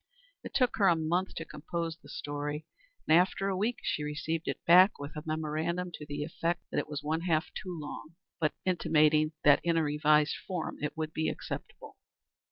It took her a month to compose this story, and after a week she received it back with a memorandum to the effect that it was one half too long, but intimating that in a revised form it would be acceptable.